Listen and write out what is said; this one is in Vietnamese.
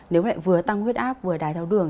nếu lại vừa tăng huyết áp vừa đài giáo đường